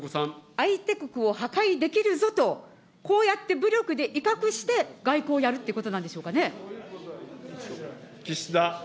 相手国を破壊できるぞと、こうやって武力で威嚇して、外交をやるということなんでしょうかね。